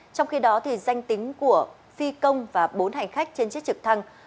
trong khi đó danh tính của phi công và bốn hành khách trên chiếc trực thăng